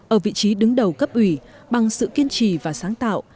ở vị trí đứng đầu cấp ủy bằng sự kiên trì và sáng tạo